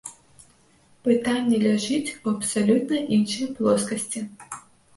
Пытанне ляжыць у абсалютна іншай плоскасці.